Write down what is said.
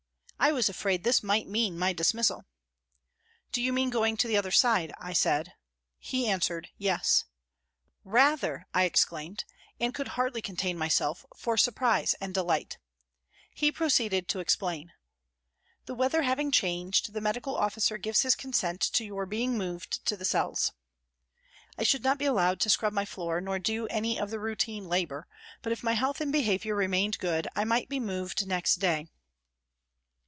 I was afraid this might mean my dismissal. " Do you mean going to the other side ?" I said. He answered " Yes." ' Rather !" I exclaimed, and could hardly contain myself for surprise and delight. He proceeded to explain :" The weather having changed, the medical officer gives his consent to your being moved to the cells." I should not be allowed to scrub my floor nor do any of the routine " labour," but if my health and behaviour (!) remained good, I might be moved next day.